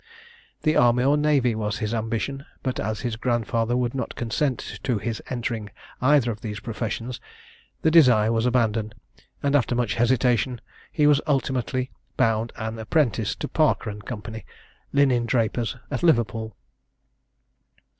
The army or navy was his ambition; but, as his grandfather would not consent to his entering either of these professions, the desire was abandoned, and, after much hesitation, he was ultimately bound an apprentice to Parker and Co. linen drapers, at Liverpool.